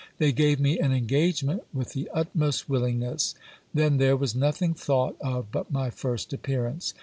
They gave me an engagement with the utmost willingness. Then there was nothing thought of but my first appearance.